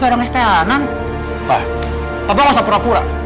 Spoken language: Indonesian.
pak apa masa pura pura